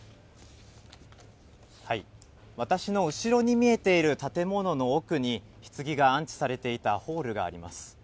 私の後ろに見えている建物の奥に、ひつぎが安置されていたホールがあります。